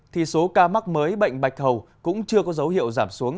thì số ca mắc mới bệnh bạch hầu cũng chưa có dấu hiệu giảm xuống